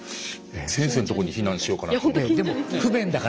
先生のところに避難しようかなと思う。